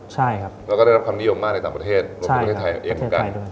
ใช่ครับแล้วก็ได้รับความนิยมมากในต่างประเทศใช่ครับประเทศไทยด้วยไทยด้วย